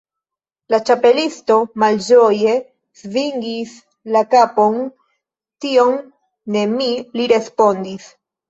La Ĉapelisto malĝoje svingis la kapon. "Tion ne mi," li respondis."